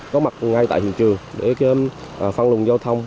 có mặt ngay tại hiện trường để phân luồng giao thông